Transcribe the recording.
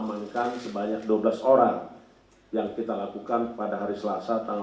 yang kedua ia yaitu kasudid kas daerah bpkad kabupaten bogor